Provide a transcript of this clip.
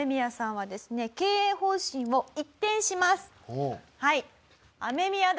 はい。